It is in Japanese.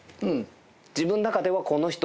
自分の中では。